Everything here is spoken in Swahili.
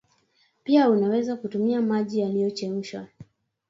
pia unaweza tumia maji yaliyochemshwa